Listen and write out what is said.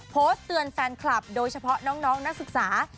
โพสต์เตือนแฟนคลับโดยเฉพาะน้องนักศึกษา